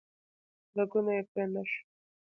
رګونه یې پرې نه شو